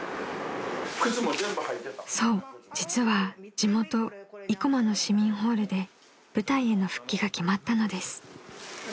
［そう実は地元生駒の市民ホールで舞台への復帰が決まったのです］